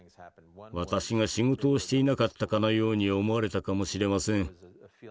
私が仕事をしていなかったかのように思われたかもしれません。